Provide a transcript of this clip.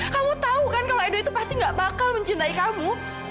kamu tahu kan kalau edo itu pasti gak bakal mencintai kamu